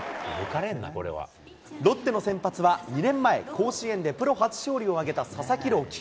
ロッテの先発は２年前、甲子園でプロ初勝利を挙げた佐々木朗希。